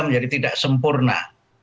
menjadi tidak sempurna